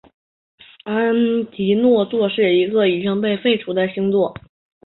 安提诺座是一个已经被废除的星座。